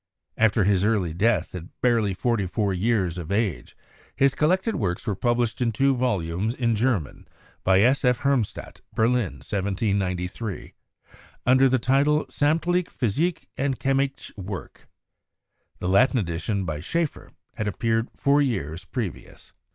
After his early death at barely forty four years of age, his collected works were published in two volumes in German by S. F. Hermbstadt (Berlin, 1793), under the title 'Sammtliche Physische und Chemische Werke.' The Latin edition by Schaefer had appeared four years previous.